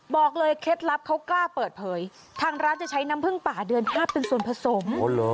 บอกเลยเคล็ดลับเขากล้าเปิดเผยทางร้านจะใช้น้ำผึ้งป่าเดือน๕เป็นส่วนผสม